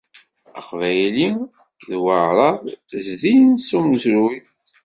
Aqbayli d Weɛṛab zdin s umezruy.